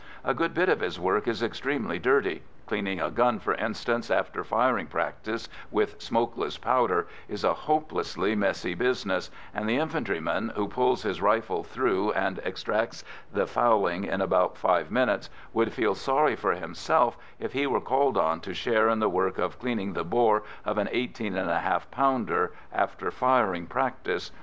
A good bit of his work is extremely dirty; cleaning a gun, for instance, after firing practice with smokeless powder, is a hopelessly messy business, and the infantryman, who pulls his rifle through and extracts the fouling in about five minutes, would feel sorry for himself if he were called on to share in the work of cleaning the bore of an 18½ pounder after firing practice.